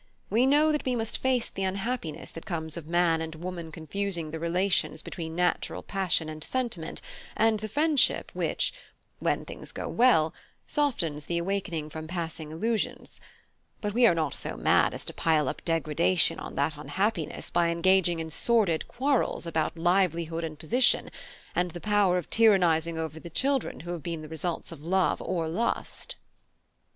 We know that we must face the unhappiness that comes of man and woman confusing the relations between natural passion, and sentiment, and the friendship which, when things go well, softens the awakening from passing illusions: but we are not so mad as to pile up degradation on that unhappiness by engaging in sordid squabbles about livelihood and position, and the power of tyrannising over the children who have been the results of love or lust."